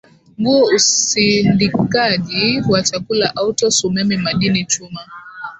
nguo usindikaji wa chakula autos umeme madini chuma